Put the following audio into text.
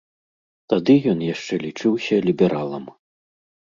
Тады ён яшчэ лічыўся лібералам.